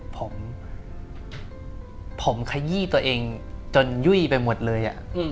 ผมผมขยี้ตัวเองจนยุ่ยไปหมดเลย